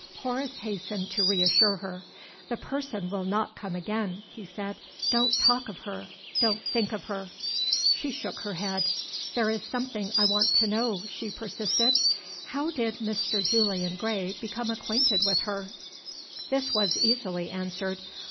Horace hastened to re assure her. "The person will not come again," he said. "Don't talk of her! Don't think of her!" She shook her head. "There is something I want to know," she persisted. "How did Mr. Julian Gray become acquainted with her?" This was easily answered.